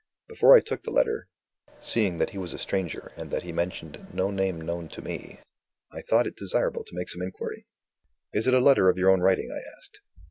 Before I took the letter seeing that he was a stranger, and that he mentioned no name known to me I thought it desirable to make some inquiry. "Is it a letter of your own writing?" I asked.